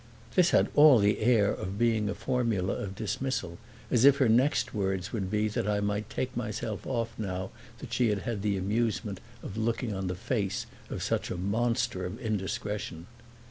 This had all the air of being a formula of dismissal, as if her next words would be that I might take myself off now that she had had the amusement of looking on the face of such a monster of indiscretion.